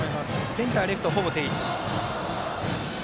センター、レフトほぼ定位置。